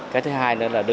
cái thứ hai nữa là